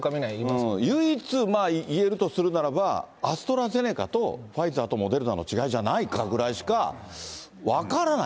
唯一言えるとするならば、アストラゼネカとファイザーとモデルナの違いじゃないかぐらいしか、分からない。